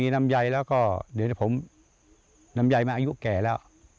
น้ำย้ายมาอายุแก่แล้ว